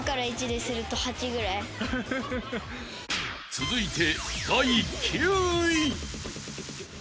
［続いて］